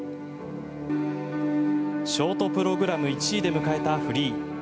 ショートプログラム１位で迎えたフリー。